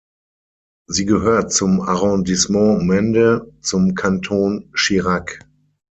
Sie gehört zum Arrondissement Mende, zum Kanton Chirac.